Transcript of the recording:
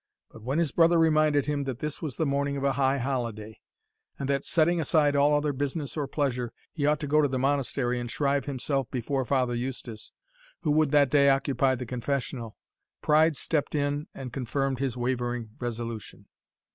But when his brother reminded him that this was the morning of a high holiday, and that, setting aside all other business or pleasure, he ought to go to the Monastery and shrive himself before Father Eustace, who would that day occupy the confessional, pride stepped in and confirmed his wavering resolution.